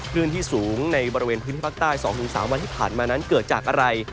คลื่นที่สูงในบริเวณพื้นที่ภาคใต้๒๓วันที่ผ่านมานั้นเกิดจากอะไร